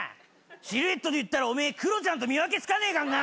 シルエットでいったらお前クロちゃんと見分けつかねえかんな！